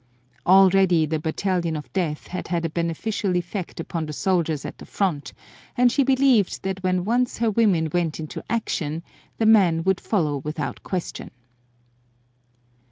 Already the Battalion of Death had had a beneficial effect upon the soldiers at the front, and she believed that when once her women went into action the men would follow without question.